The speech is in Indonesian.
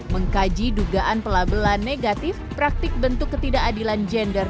mengkaji dugaan pelabelan negatif praktik bentuk ketidakadilan gender